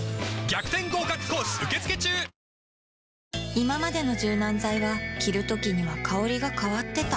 いままでの柔軟剤は着るときには香りが変わってた